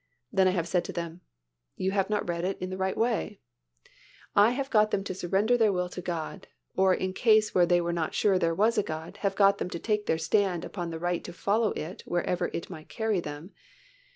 Then I have said to them, "You have not read it the right way," and I have got them to surrender their will to God (or in case where they were not sure there was a God, have got them to take their stand upon the right to follow it wherever it might carry them).